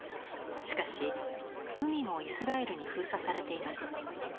しかし海もイスラエルに封鎖されています。